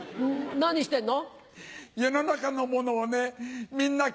何してんの？